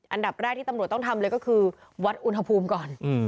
อันดับแรกที่ตำรวจต้องทำเลยก็คือวัดอุณหภูมิก่อน